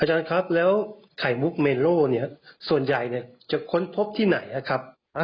อาจารย์ครับแล้วไข่มุกเมโลเนี่ยส่วนใหญ่เนี่ยจะค้นพบที่ไหนนะครับ